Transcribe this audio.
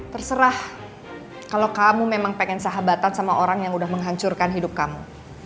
terserah kalau kamu memang pengen sahabatan sama orang yang udah menghancurkan hidup kamu